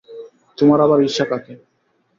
তোমার আবার ঈর্ষা কাকে?